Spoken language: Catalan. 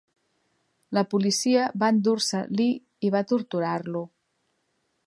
La policia va endur-se Lee i va torturar-lo.